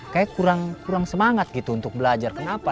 kayaknya kurang semangat gitu untuk belajar kenapa